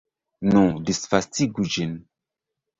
Nu, disvastigu ĝin!